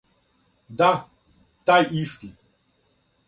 Да, тај исти.